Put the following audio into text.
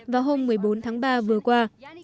vào hôm một mươi bốn tháng ba vừa qua